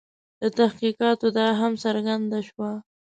له تحقیقاتو دا هم څرګنده شوه.